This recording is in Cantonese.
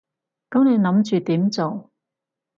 噉你諗住點做？